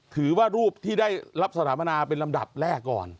ถือว่ารูปที่ได้รับสถาปนาเป็นลำดับแรกก่อน